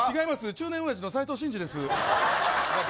中年おやじの斉藤慎二です。